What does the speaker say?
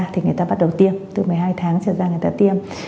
thì người ta bắt đầu tiêm từ một mươi hai tháng trở ra người ta tiêm